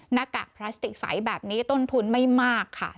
หน้ากากพลาสติกใสแบบนี้ต้นทุนไม่มากค่ะ